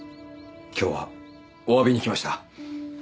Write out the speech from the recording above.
今日はお詫びに来ました。